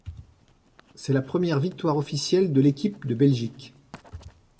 C'est la première victoire officielle de l'équipe de Belgique.